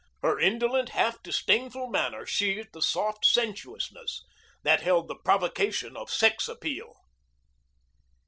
Her indolent, half disdainful manner sheathed a soft sensuousness that held the provocation of sex appeal.